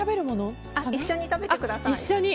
一緒に食べてください。